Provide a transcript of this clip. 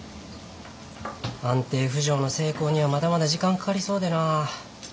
安定浮上の成功にはまだまだ時間かかりそうでな。